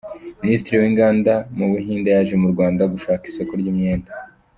Minisitiri w’Inganda Mubuhinde yaje mu Rwanda gushaka isoko ry’imyenda